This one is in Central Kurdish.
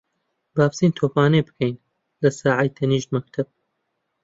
با بچین تۆپانێ بکەین لە ساحەی تەنیشت مەکتەب.